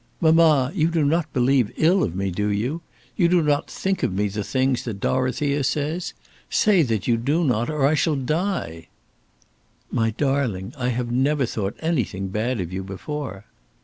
"Mamma, you do not believe ill of me; do you? You do not think of me the things that Dorothea says? Say that you do not, or I shall die." "My darling, I have never thought anything bad of you before."